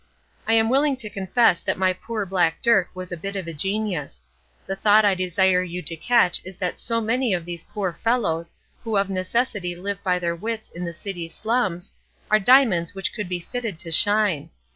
I am willing to confess that my poor black Dirk was a bit of a genius. The thought I desire you to catch is that so many of those poor fellows, who of necessity live by their wits in the city slums, are diamonds which could be fitted to shine.